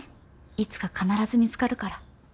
いつか必ず見つかるから。